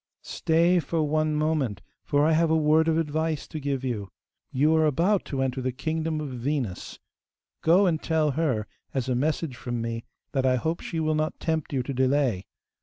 'Stay for one moment, for I have a word of advice to give you. You are about to enter the kingdom of Venus;(4) go and tell her, as a message from me, that I hope she will not tempt you to delay.